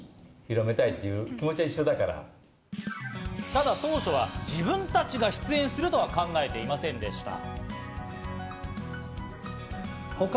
ただ当初は自分たちが出演するとは考えていませんでした。